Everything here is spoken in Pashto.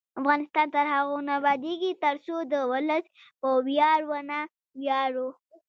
افغانستان تر هغو نه ابادیږي، ترڅو د ولس په ویاړ ونه ویاړو.